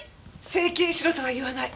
整形しろとは言わない。